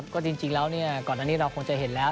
ก็จริงแล้วก่อนอันนี้เราคงจะเห็นแล้ว